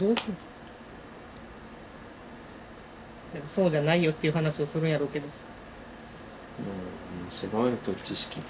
そうじゃないよっていう話をするんやろうけどさ。